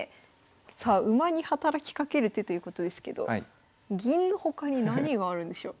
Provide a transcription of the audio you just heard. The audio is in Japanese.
さあ馬に働きかける手ということですけど銀の他に何があるんでしょう？